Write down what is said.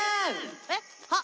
えっ⁉